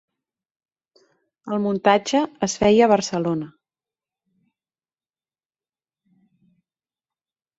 El muntatge es feia a Barcelona.